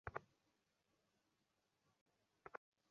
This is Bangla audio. তাদেরকে কুরআন ও হাদীস শিক্ষা দিতে লাগলেন।